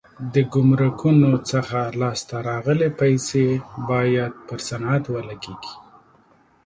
د ګمرکونو څخه لاس ته راغلي پیسې باید پر صنعت ولګېږي.